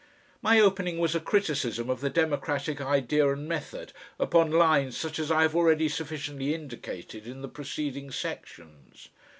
My opening was a criticism of the democratic idea and method, upon lines such as I have already sufficiently indicated in the preceding sections.